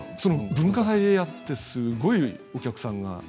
文化祭でやってすごいお客さんが。